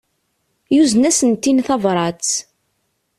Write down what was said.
Yuzen-asent-in tabrat.